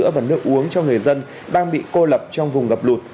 nước sữa và nước uống cho người dân đang bị cô lập trong vùng gập lụt